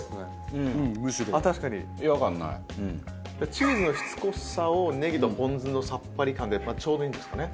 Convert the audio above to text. チーズのしつこさをネギとポン酢のさっぱり感でちょうどいいんですかね？